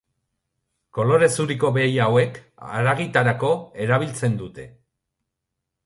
Kolore zuriko behi hauek haragitarako erabiltzen dute.